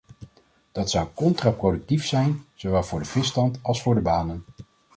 Dat zou contraproductief zijn, zowel voor de visstand als voor de banen.